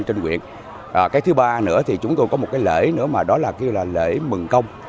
trên quyện cái thứ ba nữa thì chúng tôi có một cái lễ nữa mà đó là như là lễ mừng công